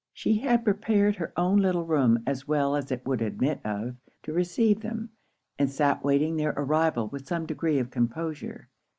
She had prepared her own little room as well as it would admit of to receive them, and sat waiting their arrival with some degree of composure.